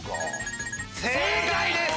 正解です。